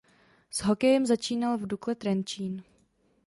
S hokejem začínal v Dukle Trenčín.